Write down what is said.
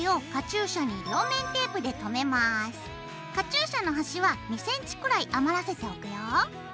カチューシャの端は２ｃｍくらい余らせておくよ。